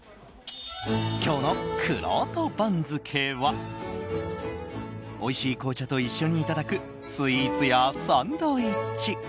今日のくろうと番付はおいしい紅茶と一緒にいただくスイーツやサンドイッチ。